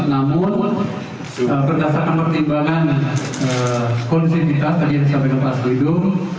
namun berdasarkan pertimbangan kondisi pindah tadi yang disampaikan pak aspi itu